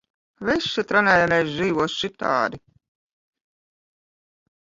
Visi trenējamies dzīvot citādi.